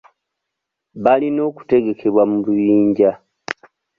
Balina okutegekebwa mu bibinja.